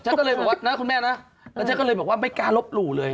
ก็เลยบอกว่านะคุณแม่นะแล้วฉันก็เลยบอกว่าไม่กล้าลบหลู่เลย